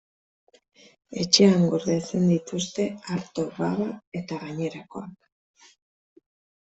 Etxean gordetzen dituzte arto, baba eta gainerakoak.